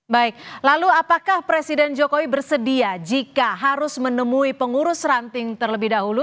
baik lalu apakah presiden jokowi bersedia jika harus menemui pengurus ranting terlebih dahulu